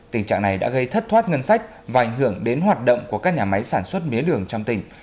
tình trạng này đã gây thất thoát ngân sách và ảnh hưởng đến hoạt động của các nhà máy sản xuất mía đường trong tỉnh